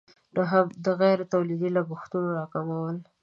نهم: د غیر تولیدي لګښتونو راکمول.